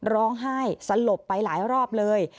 ร้องไห้สลบไปหลายรอบเลย